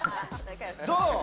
どう？